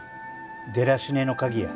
デラシネの鍵や。